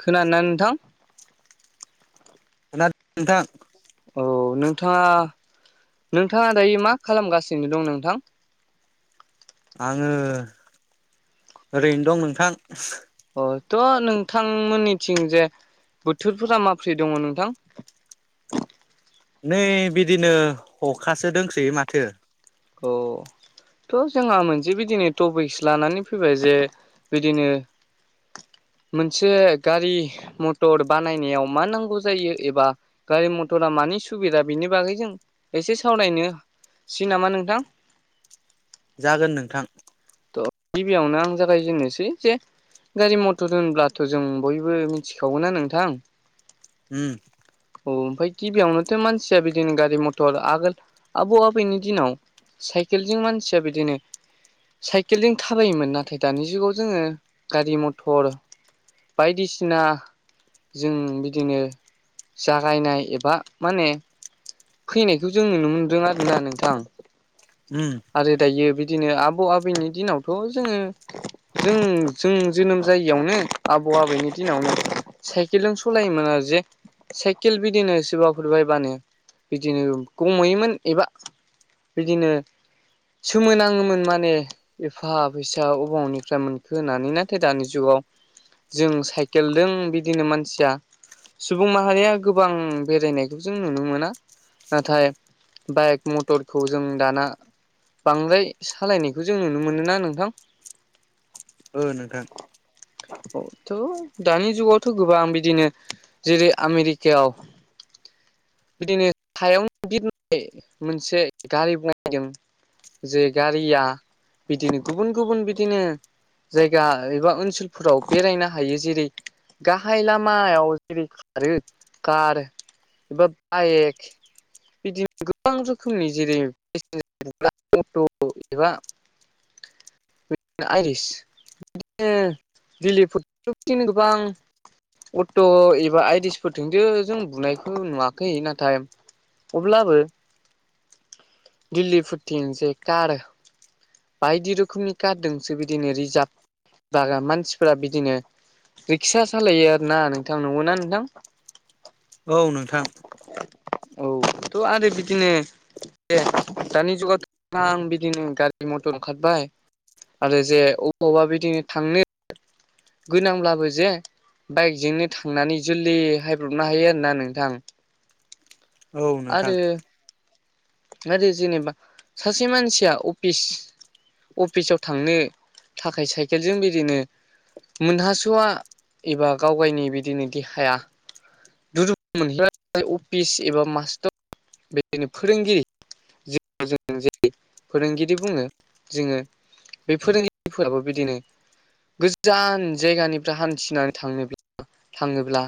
खोनादोंना नोंथां खोनादों नोंथां औ नोंथाङा नोंथाङा दायो मा खालामगासिनो दं नोंथां आङो ओरैनो दं नोंथां अ थ' नोंथांमोननिथिं जे बोथोरफोरा माब्रै दङ नोंथां नै बिदिनो हखासो दोंसोयो माथो औ थ' जोंहा मोनसे बिदिनो टपिक्स लानानै फैबाय जे बिदिनो मोनसे गारि मथर बानायनायाव मा नांगौ जायो एबा गारि मथरा मानि सुबिदा बेनि बागै जों एसे सावरायनोसै नामा नोंथां जागोन नोंथां थ' गिबियावनो आं जागायजेनोसै जे गारि मथर होनब्लाथ' जों बयबो मिथिखागोना नोंथां उम औ ओमफ्राय गिबियावनोथ' मानसिया बिदिनो गारि मथर आगोल आबौ आबैनि दिनाव साइकेलजों मानसिया बिदिनो साइकेलजों थाबायोमोन नाथाय दानि जुगाव जोङो गारि मथर बायदिसिना जों बिदिनो जागायनाय एबा माने फैनायखौ जों नुनो मोनदों आरोना नोंथां उम आरो दायो बिदिनो आबौ आबैनि दिनावथ' जोङो जों जों जोनोम जायियावनो आबौ आबैनि दिनावनो साइकेलजों सलायोमोन आरो जे साइकेल बिदिनो सोरबाफोर बायबानो बिदिनो गमहैयोमोन एबा बिदिनो सोमोनाङोमोन माने एफा फैसा अबावनिफ्राय मोनखो होननानै नाथाय दानि जुगाव जों साइकेलदों बिदिनो मानसिया सुबुं माहारिया गोबां बेरायनायखौ जों नुनो मोना नाथाय बाइक मटरखौ जों दाना बांद्राय सालायनायखौ जों नुनो मोनो ना नोंथां ओ नोंथां औ थ' दानि जुगावथ' गोबां बिदिनो जेरै आमेरिकायाव बिदिनो सायावनो बिरनाय मोनसे गारि बनायदों जे गारिया बिदिनो गुबुन गुबुन बिदिनो जायगा एबा ओनसोलफोराव बेरायनो हायो जेरै गाहाय लामायाव जेरै खारो कार एबा बाइक बिदिनो गोबां रोखोमनि जेरै ा रस [unintelligible] बिदिनो दिफोर बिदिनो गोबां अट' एबा आइदिसफोरजोंसो जों बुनायखौ नुवाखै नाथाय अब्लाबो दिल्ली फुरथिनो जै कार बायदि रोखोमनि कारदोंसो बिदिनो रिजार्भ बागा मानसिफोरारा बिदिनो रिक्सा सालायो आरो ना नोंथां नंगौ ना नोंथां? औ नोंथां। औथ' आरो बिदिनो दानि जुगावथ' आं बिदिनो गारि मथर ओंखारबाय। आरो जे अबावबा बिदिनो थांनो गोनांब्लाबो जे बाइकजोंनो थांनानै जोलै हायब्रनो हायो आरोना नोंथां। औ नोंथां आरो आरो जेनेबा सासे मानसिया अफिस अफिसाव थांनो थाखाय साइकेलजों बिदिनो मोनहास'आ एबा गाव गावनि बिदिनो देहाया दुु मोनहला अफिस एबा मास्टार बेदिनो फोरोंगिरि ज ज जेर फोरोंगिरि बुङो जोङो बे फोरोंगिरिफोराबो बिदिनो गोजान जायगानिफ्राय हान्थिनानै थाङोब्ला थाङोब्ला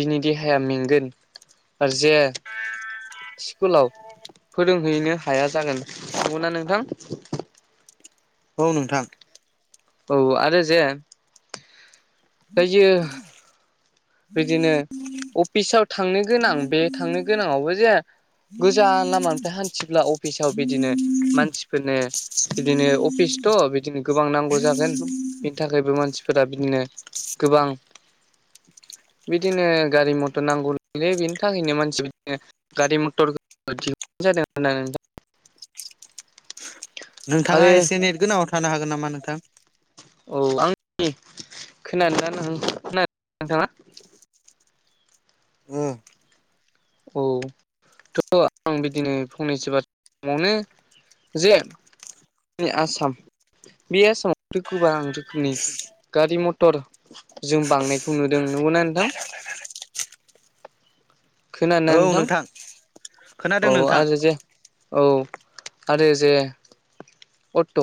बिनि देहाया मेंगोन आरो जे स्कुलाव फोरोंहैनो हाया जागोन नंगौना नोंथां? औ नोंथां। औ आरो जे जायो। बिदिनो अफिसाव थांनो गोनां बे थांनो गोनाङावबो जे गोजान लामानिफ्राय हान्थिब्ला अफिसाव बिदिनो मानसिफोरनो बिदिनो अफिसथ' बिदिनो गोबां नांगौ जागोन बिनि थाखायबो मानसिफोरा बिदिनो गोबां बिदिनो गारि मथर नांगौललै बिनि थाखायनो मानसि बिदिनो गारि मथर दिनाय जादों आरो नोंथां। नोंथाङा आरो एसे नेटगोनाङाव थानो हागोन नामा नोंथां? औ आंनि खोनादों ना नों खोना नोंथाङा? ओ औ थ' आं बिदिनो फंनैसो बा समावनो जेनि आसाम बे आसामाव गोबां रोखोमनि गारि मथर जों बांनायखौ नुदों नंगौना नोंथां। [unintelligible] खोनानाया नोंथां औ खोनादों नोंथां आरो जे- औ आरो जे अट'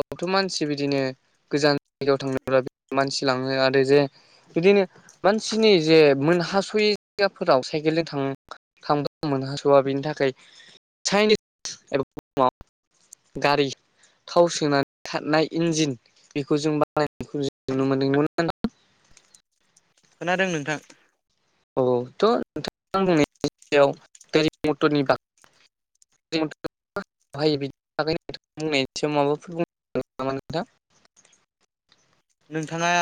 बथ' मानसि बिदिनो गोजान जायगायाव थांनो मानसि लाङो आरो जे बिदिनो मानसिनि जे मोनहास'यैफोराव साइकेलजों थां ख मोनहास' बेनि थाखाय चाइनिस एबा बुुमाव गारि थाव सोनानै खारनाय इन्जिन बेखौ जों बानायनायखौ नुनो मोनदों। खोनादों नोंथां। औ थ' नोंथां बुंनायनिायाव गारि मथरनि ब ायो बिदिोंथ बुंनायनि सायाव माबाफोर। मोनथाम नोंथाङा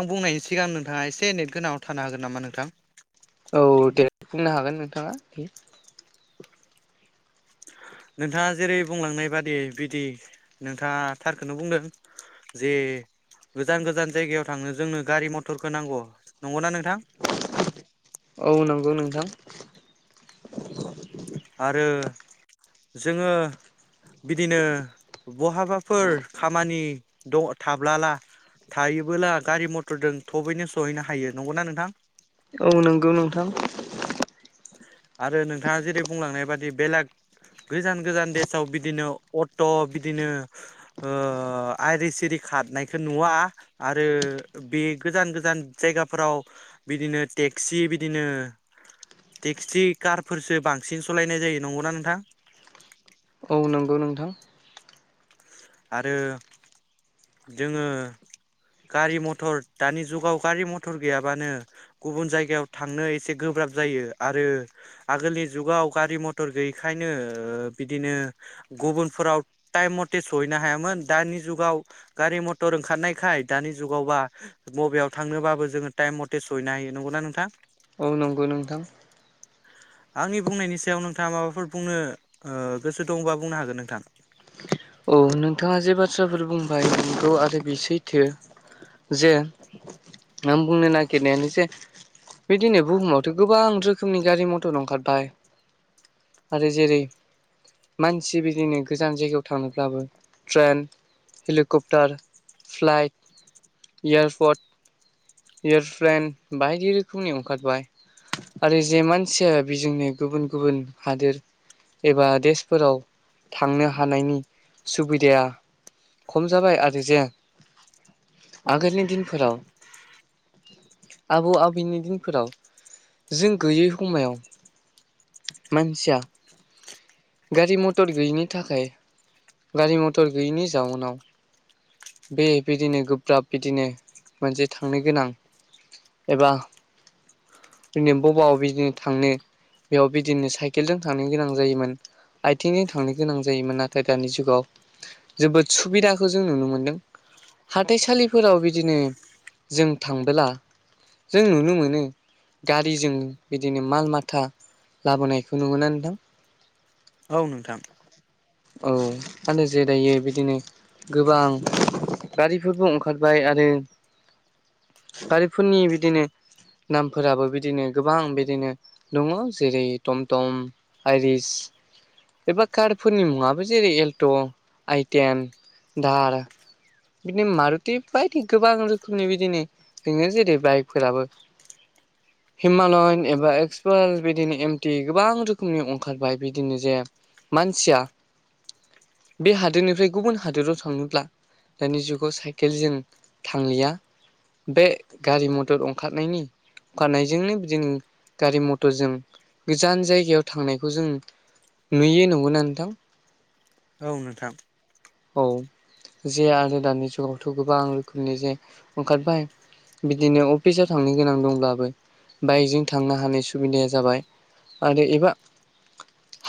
आं बुंनायनि सिगां नोंथाङा एसे नेट गोनाङाव थानो हागोन नामा नोंथां। औ दे बुंनो हागोन नोंथाङा। नोंथाङा जेरै बुंलांनाय बादि बिदि। नोंथाङा थारखौनो बुंदों जे गोजान गोजान जायगायाव थांनो जोंनो गारि मथरखौ नांगौ नंगौना नोंथां। औ नंगौ नोंथां। आरो जोङो बिदिनो बहाबाफोर खामानि द थाब्लाला थायोबोला गारि मथरजों थबैनो सहैनो हायो नंगौना नोंथां। औ नंगौ नोंथां। आरो नोंथाङा जेरै बुंलांनाय बादि बेलेग गोजान गोजान देसाव बिदिनो अट' बिदिनो। आइर सिरि खारनायखौ नुवा आरो बे गोजान गोजान जायगाफोराव बिदिनो टेक्सि बिदिनो। टेक्सि कारफोरसो बांसिन सालायनाय जायो नंगौना नोंथां। औ नंगौ नोंथां। आरो जोङो। गारि मथर दानि जुगाव गारि मथर गैयाबानो गुबुन जायगायाव थांनो एसे गोब्राब जायो आरो। आगोलनि जुगाव गारि मथर गैयैखायनो बिदिनो। गुबुनफोराव टाइम मथे सहैनो हायामोन दानि जुगाव। गारि मथर ओंखारनायखाय दानि जुगावबा बबेयाव थांनोबाबो जोङो टाइम मथर। सयना होनना नना नोंथां औ नंगौ नोंथां आंनि बुंनायनि सायाव नोंथाङा माबाफोर बुंनो गोसो दंबा बुंनो हागोन नोंथां। औ नोंथाङा जे बाथ्राफोर बुंबाय नखौ आरो बे सैथो जे मं बुंनो न खनायानोस बेदिनै बुहुमावथ' गोबां रोखोमनि गारि मथर ओंखारबाय आरो जेरै मानसि बिदिनो गोजान जायगायाव थांनोलाबो train helicopter flight airport. Airplane बायदि रोखोमनि ओंखारबाय। आरो जे मानसिया बेजोंनो गुबुन गुबुन हादोर एबा देशफोराव थांनो हानायनि सुबिदाया खम जाबाय आरो जे आगोलनि दिनफोराव। आबौ आबैनि दिनफोराव जों गैयै समायाव। मानसिया गारि मटर गैयिनि थाखाय गारि मथर गैयिनि जाउनाव बे बिदिनो गोब्राब बिदिनो मोनसे थांनो गोनां। एबा जोंनो बबा बिदिनो थांनो। बेयाव बिदिनो साइकेलजों थांनो गोनां जायोमोन। आथिङै थांनो गोनां जायोमोन नाथाय दानि जुगाव जोबोद सुबिदाखौ जों नुनो मोनदों। हाथाइसालिफोराव बिदिनो जों थांबोला। जों नुनो मोनो। गारिजों बिदिनो माल माथा लाबोनायखौ नुो नदों। औ नोंथां। औ आरो जेरायो बिदिनो। गोबां गारिफोरबो ओंखारबाय आरो गारिफोरनि बिदिनो नामफोराबो बिदिनो गोबां बिदिनो दङ जेरै टमटम आइरिस एबा कार फोरनि मुङआो जेरै एल्ट' आइटेन दार बिदिनो मारुथि बायदि गोबां रोखोमनि बिदिनो [unintelligible] जेरै बाइकफोराबो [inaudible] हिमालयन एबा एक्सपाल बिदिनो एमटि गोबां रोखोमनि ओंखारबाय बिदिनो जे सिया बे हादोरनिफ्राय गुबुन हादोराव थांनोब्ला दानि जुगाव साइकेलजों थांलिया बे गारि मटर ओंखारनायनि होखानायजोंनो बिदिनो गारि मथरजों गोजान जायगायाव थांनायखौ जों नुयो नगौना नोंथां औ नोंथां औ जे आरो दानि जुगावथ गोबां रोखोमनि जे ओंखारबाय बिदिनो अफिसाव थांनो गोनां दंब्लाबो बाइकजों थांनो हानाय सुबिदाया जाबाय आरो एबा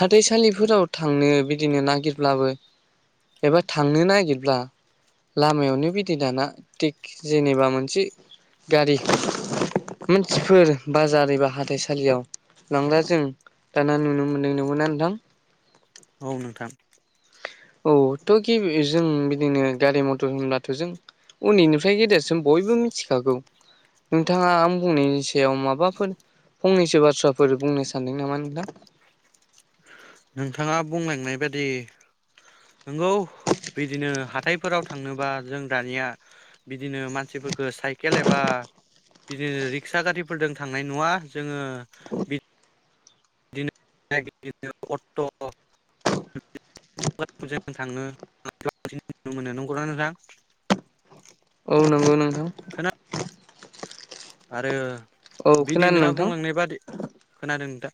हाथाइसालिफोराव थांनो बिदिनो नागिरब्लाबो एबा थांनो नागिरब्ला लामायावनो बिदि दाना तेक जेनेबा मोनसे गारि मानसिफोर बाजार एबा हाथाइसालियाव लांला जों दाना नुनो मोनदों नंगौना नोंथां औ नोंथां औथ कि जों बिदिनो गारि मथर होनब्लाथ जों उन्दैनिफ्राय गेदेरसिम बयबो मिथिखागौ नोंथाङा आं बुंनायनि सायाव माबाफोर फंनैसो बाथ्राफोर बुंनो सानदों नामा नोंथां नोंथाङा बुंलायनायबादि नंगौ बिदिनो हाथायफोराव थांनोबा जों दानिया बिदिनो मानसिफोरखो साइकेल एबा बिदिनो रिक्सा गारिफोरजों थांनाय नुवा जोङो बि [unintelligible] [unintelligible] मोनो नंगौना नोंथां औ नंगौ नोंथां खोना आरो औ बिदि खोनादों नोंथाङा नोंथां बुंलांनाय बादि खोनादों नोंथां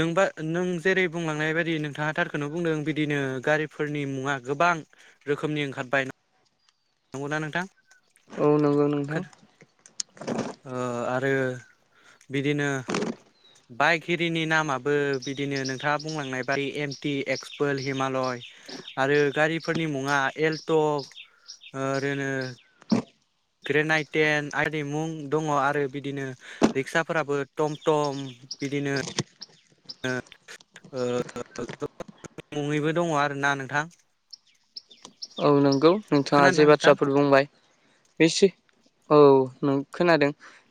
नोंबा नों जेरै बुंलांनाय बायदि नोंथाङा थारखौनो बुंदों बिदिनो गारिफोरनि मुङा गोबां रोखोमनि ओंखारबाय नंगौना नोंथां औ नंगौ नोंथां ओ आरो बिदिनो बाइक हिरिनि नामाबो बिदिनो नोंथाङा बुंलांनाय बादि एमटि एक्सपोल हिमालय आरो गारिफोरनि मुङा एल्ट ओरैनो ग्रेेन आइटेन आरि मुं दङ आरो बिदिनो रिक्साफोराबो टम टम बिदिनो [unintelligible] मुङैबो दङ आरोना नोंथां औ नंगौ नोंथाङा जे खोनादोंना नोंथां बाथ्राफोर बुंबाय बे सै औ नों खोनादों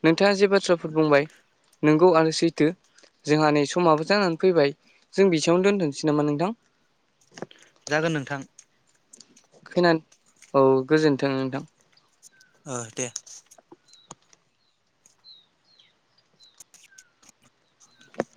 नोंथाङा जे बाथ्राफोर बुंबाय नोंगौ आरो सैथो जोंहा नै समाबो जानानै फैबाय जों बिसेयावनो दोन्थसै नामा नोंथां जागोन नोंथां खोनान औ गोजोन्थों नोंथां ओ दे [inaudible]